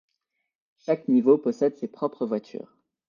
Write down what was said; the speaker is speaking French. Chaque niveau possède ses propres voitures.